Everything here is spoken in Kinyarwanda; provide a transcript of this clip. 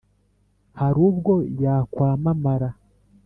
hari ubwo ryakwamamara